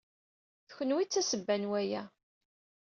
D kenwi ay d tasebba n waya.